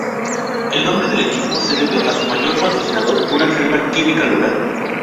El nombre del equipo se debe a su mayor patrocinador, una firma química local.